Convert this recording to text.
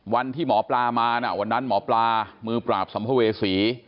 วันที่หมอปลามานะวันนั้นหมอปลามือปราบสัมภเวษี